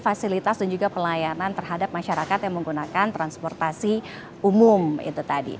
fasilitas dan juga pelayanan terhadap masyarakat yang menggunakan transportasi umum itu tadi